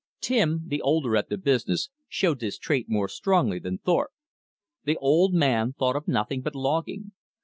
Tim, the older at the business, showed this trait more strongly than Thorpe. The old man thought of nothing but logging.